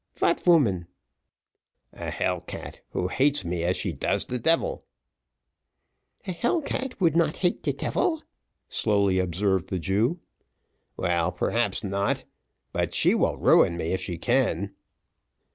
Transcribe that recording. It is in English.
"Vat woman?" "A hell cat, who hates me as she does the devil." "A hell cat vould not hate de divil," slowly observed the Jew. "Well, perhaps not; but she will ruin me if she can."